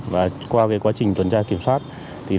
và qua quá trình tuần tra kiểm soát